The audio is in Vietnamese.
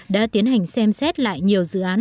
đã tiến hành xem xét lại nhiều dự án